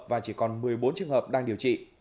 và chỉ còn một mươi bốn trường hợp đang điều trị